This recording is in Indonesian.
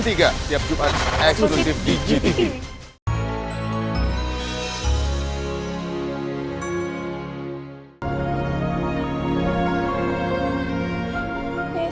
tiap jumat eksklusif di gtv